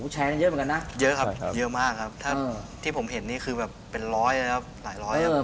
แชร์กันเยอะเหมือนกันนะเยอะครับเยอะมากครับถ้าที่ผมเห็นนี่คือแบบเป็นร้อยนะครับหลายร้อยครับ